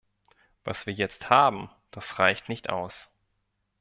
Was wir jetzt haben, das reicht nicht aus.